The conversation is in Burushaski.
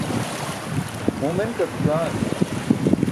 Muu men ke ac̣uc̣aan.